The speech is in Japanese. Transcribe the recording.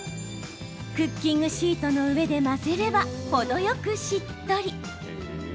クッキングシートの上で混ぜれば程よくしっとり。